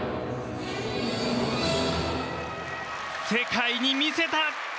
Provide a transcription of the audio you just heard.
世界に見せた。